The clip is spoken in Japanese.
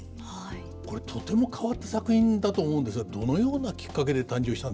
これとても変わった作品だと思うんですがどのようなきっかけで誕生したんでしょうか？